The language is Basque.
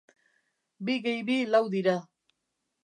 Bi gehi bi lau dira.